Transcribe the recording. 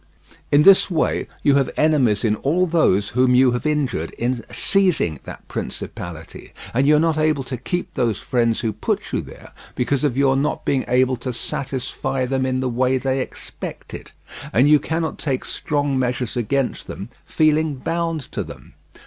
In this way you have enemies in all those whom you have injured in seizing that principality, and you are not able to keep those friends who put you there because of your not being able to satisfy them in the way they expected, and you cannot take strong measures against them, feeling bound to them.